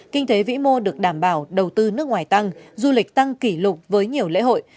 kinh tế vĩ mô được đảm bảo đầu tư nước ngoài tăng du lịch tăng kỷ lục với nhiều lễ hội